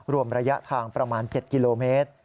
รวมระยะทางประมาณ๗กิโลเมตร